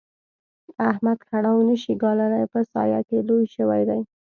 احمد کړاو نه شي ګاللای؛ په سايه کې لوی شوی دی.